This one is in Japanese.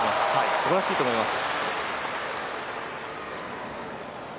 すばらしいと思います。